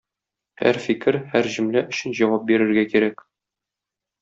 Һәр фикер, һәр җөмлә өчен җавап бирергә кирәк.